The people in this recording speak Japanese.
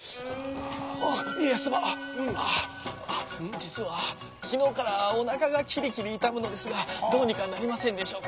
実は昨日からおなかがキリキリ痛むのですがどうにかなりませんでしょうか？